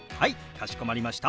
かしこまりました。